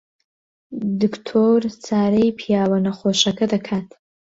دکتۆر چارەی پیاوە نەخۆشەکە دەکات.